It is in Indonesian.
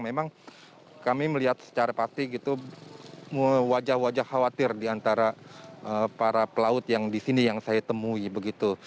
memang kami melihat secara pasti gitu wajah wajah khawatir di antara para pelaut yang disini yang saya temui